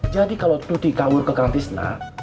jadi kalau tuti kabur ke kang tisna